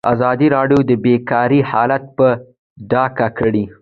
ازادي راډیو د بیکاري حالت په ډاګه کړی.